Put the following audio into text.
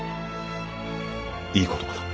いい言葉だ